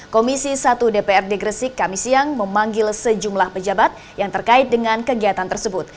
komisi satu dprd gresik kami siang memanggil sejumlah pejabat yang terkait dengan kegiatan tersebut